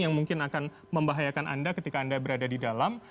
yang mungkin akan membahayakan anda ketika anda berada di dalam